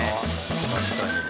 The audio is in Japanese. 確かに。